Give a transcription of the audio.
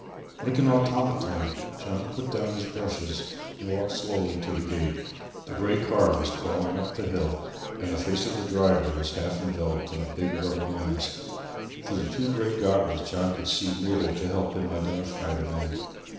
Like an automaton John put down his brushes, and walked slowly to the gate. The grey car was crawling up the hill, and the face of the driver was half enveloped in a big rubber mask. Through the two great goggles John could see little to help him identify the man.